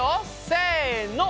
せの！